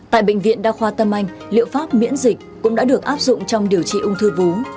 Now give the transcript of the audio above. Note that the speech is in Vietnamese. tại bệnh viện đa khoa tâm anh liệu pháp miễn dịch cũng đã được áp dụng trong điều trị ung thư vú